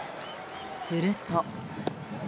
すると。